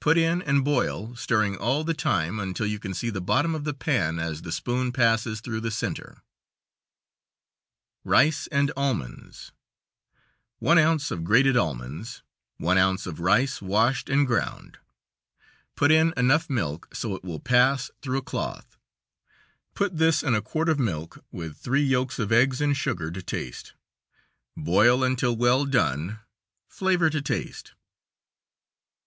Put in and boil, stirring all the time, until you can see the bottom of the pan as the spoon passes through the center. Rice and almonds: One ounce of grated almonds, one ounce of rice washed and ground; put in enough milk so it will pass through a cloth; put this in a quart of milk, with three yokes of eggs and sugar to taste; boil until well done; flavor to taste.